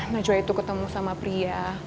najwa itu ketemu sama pria